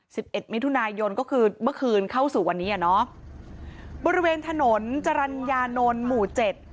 สิบเอ็ดมิถุนายนก็คือเมื่อคืนเข้าสู่วันนี้อ่ะเนอะบริเวณถนนจรรยานนท์หมู่เจ็ด